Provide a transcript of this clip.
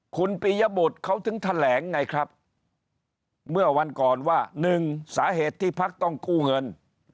คุณปียบุตรเขาถึงแถลงไงครับเมื่อวันก่อนว่าหนึ่งสาเหตุที่พักต้องกู้เงิน